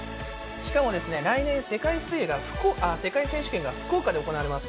しかもですね、来年、世界選手権が福岡で行われます。